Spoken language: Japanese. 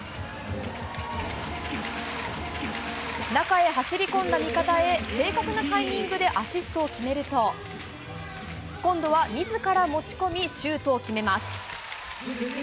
中へ走り込んだ味方へ正確なタイミングでアシストを決めると今度は自ら持ち込みシュートを決めます。